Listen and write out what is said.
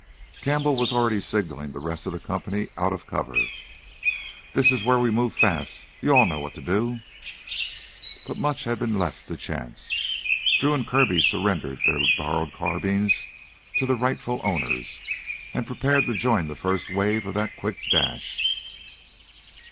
Campbell was already signaling the rest of the company out of cover. "This is where we move fast. You all know what to do." But much had to be left to chance. Drew and Kirby surrendered their borrowed carbines to the rightful owners and prepared to join the first wave of that quick dash.